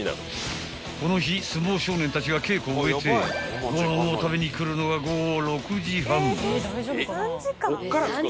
［この日相撲少年たちが稽古を終えてご飯を食べに来るのが午後６時半］